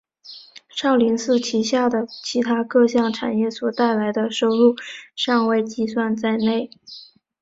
少林寺旗下的其它各项产业所带来的收入尚未计算在内。